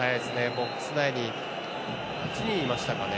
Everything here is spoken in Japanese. ボックス内に８人いましたかね。